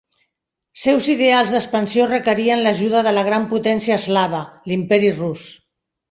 Seus ideals d'expansió requerien l'ajuda de la gran potència eslava, l'Imperi Rus.